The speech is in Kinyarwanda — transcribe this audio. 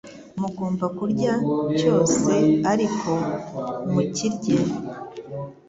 mugomba kurya cyose, ariko mukirye